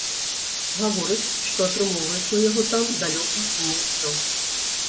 Гаворыць, што атрымоўваецца ў яго там далёка не ўсё.